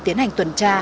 tiến hành tuần tra